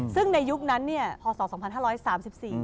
ซึ่งในยุคนั้นพศ๒๕๓๔